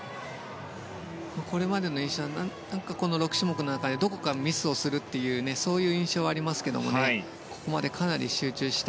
これまでのところ６種目のどこかでミスをするというそういう印象はありますけどもここまでかなり集中した